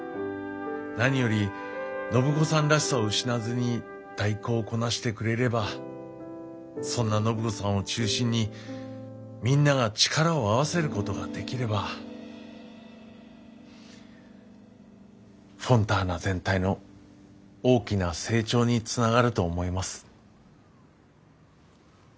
何より暢子さんらしさを失わずに代行をこなしてくれればそんな暢子さんを中心にみんなが力を合わせることができればフォンターナ全体の大きな成長につながると思います。